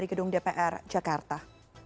di tanah suci mevri